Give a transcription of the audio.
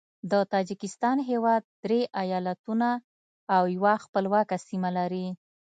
د تاجکستان هیواد درې ایالتونه او یوه خپلواکه سیمه لري.